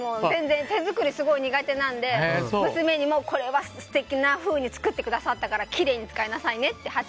全然、手作りすごい苦手なので娘に、もうこれは素敵なふうに作ってくださったからきれいに使いなさいねって。